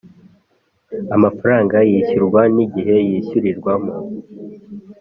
amafaranga yishyurwa n igihe yishyurirwamo